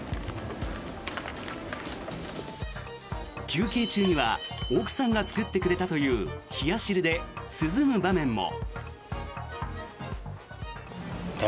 休憩中には奥さんが作ってくれたという冷や汁で涼む場面も。